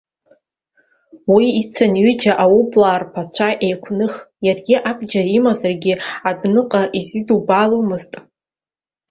Уи ицын ҩыџьа аублаа рԥарцәа еиқәных, иаргьы абџьар имаӡазаргьы адәныҟа иузидбаломызт.